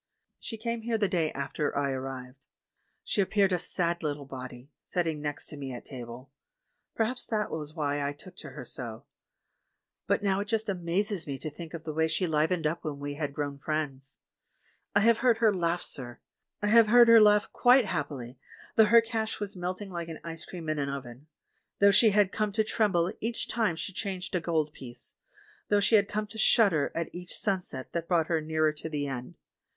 She came here the day after I arrived. She appeared a sad little body, sitting next to me at table ; perhaps that was why I took to her so; but now it just amazes me to think of the way she livened up when we had grown friends. I have heard her laugh, sir! I have heard her laugh quite happily, though her cash was melting like an ice cream in an oven; though she had come to tremble each time she changed a gold piece; though she had come to shudder at each sunset that brought her nearer to the End.